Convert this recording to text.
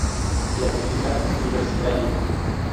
Clasificado: Universitario.